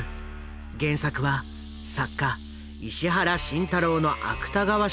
原作は作家石原慎太郎の芥川賞受賞作だ。